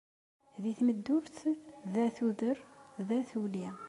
Deg tmeddurt, da tuder, da tuli.